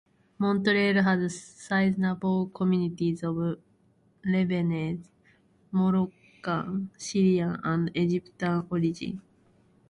Montreal has sizeable communities of Lebanese, Moroccan, Syrian and Egyptian origin.